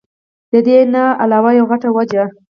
د دې نه علاوه يوه غټه وجه